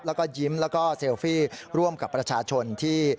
แล้วก็ยิ้มแล้วก็เซลฟี่ร่วมกับประชาชนที่